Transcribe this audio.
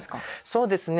そうですね。